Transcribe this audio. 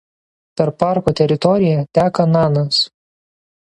Per parko teritoriją teka Nanas.